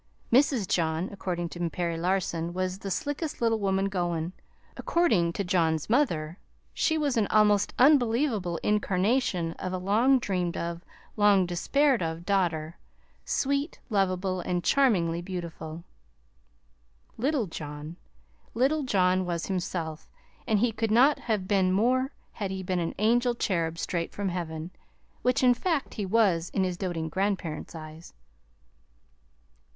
Mrs. John, according to Perry Larson, was "the slickest little woman goin'." According to John's mother, she was an almost unbelievable incarnation of a long dreamed of, long despaired of daughter sweet, lovable, and charmingly beautiful. Little John little John was himself; and he could not have been more had he been an angel cherub straight from heaven which, in fact, he was, in his doting grandparents' eyes.